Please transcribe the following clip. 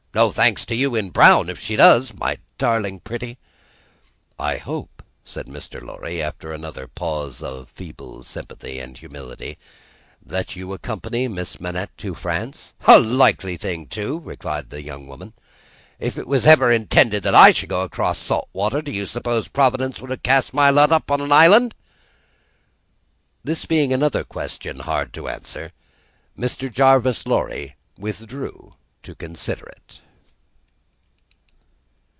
"No thanks to you in brown, if she does. My darling pretty!" "I hope," said Mr. Lorry, after another pause of feeble sympathy and humility, "that you accompany Miss Manette to France?" "A likely thing, too!" replied the strong woman. "If it was ever intended that I should go across salt water, do you suppose Providence would have cast my lot in an island?" This being another question hard to answer, Mr. Jarvis Lorry withdrew to consider it.